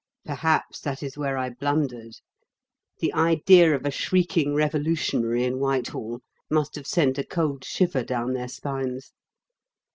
Perhaps that is where I blundered. The idea of a shrieking revolutionary in Whitehall must have sent a cold shiver down their spines.